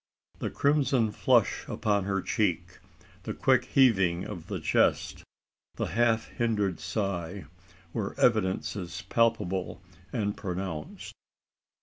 The crimson flush upon her cheek, the quick heaving of the chest, the half hindered sigh, were evidences palpable and pronounced.